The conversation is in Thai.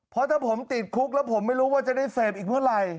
เพราะถ้าผมติดคุกแล้วผมไม่รู้ว่าจะได้เสพอีกเมื่อไหร่